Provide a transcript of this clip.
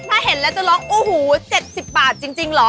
ถ้าเห็นแล้วจะร้องโอ้โห๗๐บาทจริงเหรอ